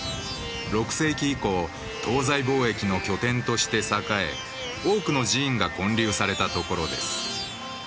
６世紀以降東西貿易の拠点として栄え多くの寺院が建立された所です。